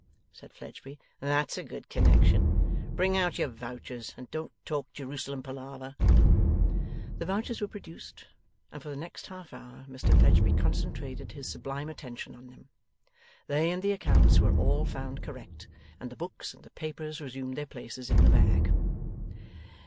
said Fledgeby. 'That's a good connexion! Bring out your vouchers, and don't talk Jerusalem palaver.' The vouchers were produced, and for the next half hour Mr Fledgeby concentrated his sublime attention on them. They and the accounts were all found correct, and the books and the papers resumed their places in the bag.